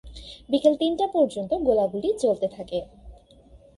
বিকেল তিনটা পর্যন্ত গোলাগুলি চলতে থাকে।